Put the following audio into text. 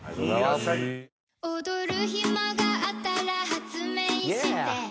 「踊る暇があったら発明してえ」